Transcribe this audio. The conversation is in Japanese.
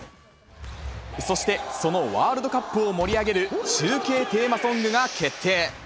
そしてそのワールドカップを盛り上げる中継テーマソングが決定。